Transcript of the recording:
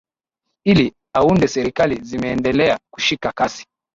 ili aunde serikali zimeendelea kushika kasi